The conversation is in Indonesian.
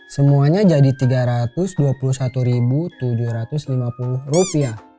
semuanya jadi rp tiga ratus dua puluh satu tujuh ratus lima puluh